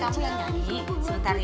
aku yang joget kamu yang nyanyi